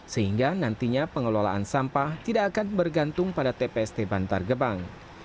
sehingga nantinya pengelolaan sampah tidak akan bergantung pada tpst bantar gebang